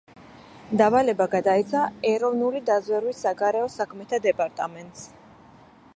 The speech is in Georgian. დავალება გადაეცა ეროვნული დაზვერვის საგარეო საქმეთა დეპარტამენტს.